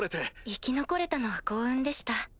生き残れたのは幸運でした。